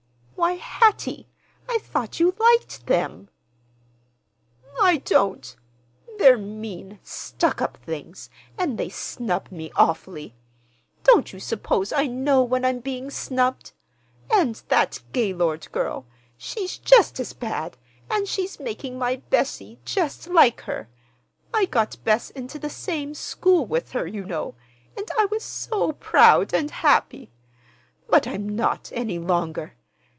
"Why, Hattie, I thought you liked them!" "I don't. They're mean, stuck up things, and they snub me awfully. Don't you suppose I know when I'm being snubbed? And that Gaylord girl—she's just as bad, and she's making my Bessie just like her. I got Bess into the same school with her, you know, and I was so proud and happy. But I'm not—any longer.